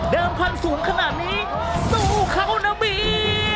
เดิมพันธุ์สูงขนาดนี้สู้เขานะเบียร์